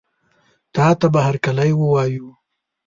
تاته به هرکلی ووایو.